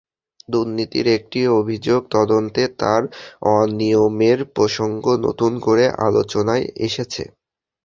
দুর্নীতির একটি অভিযোগ তদন্তে তাঁর অনিয়মের প্রসঙ্গ নতুন করে আলোচনায় এসেছে।